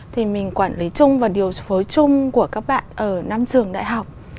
thì mình quản lý chung và điều phối chung của các bạn ở năm trường đại học